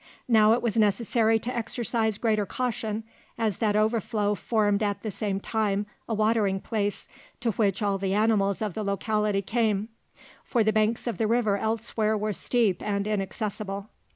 Now it was necessary to exercise greater caution, as that overflow formed at the same time a watering place to which all the animals of the locality came, for the banks of the river elsewhere were steep and inaccessible.